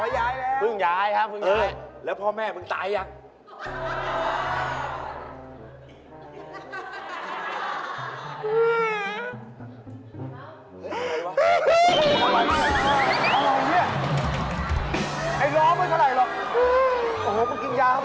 ไม่ไปแล้วไม่อยู่แล้วย้ายไปแล้วครับ